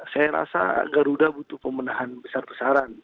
saya rasa garuda butuh pemenahan besar besaran